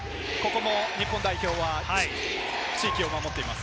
ここも日本代表は地域を守っています。